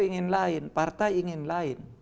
ingin lain partai ingin lain